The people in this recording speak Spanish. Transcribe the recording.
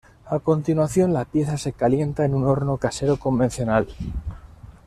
A continuación, la pieza se calienta en un horno casero convencional.